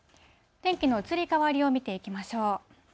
天気の移り変わりを見ていきましょう。